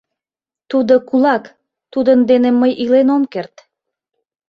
Тудо кулак, тудын дене мый илен ом керт.